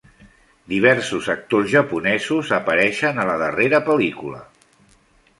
Diversos actors japonesos apareixen a la darrera pel·lícula.